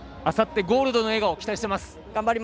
あさって、ゴールドの笑顔期待しています。